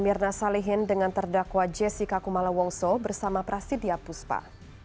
mirna salihin dengan terdakwa jessica kumala wongso bersama prasidya puspa